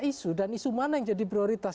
isu dan isu mana yang jadi prioritas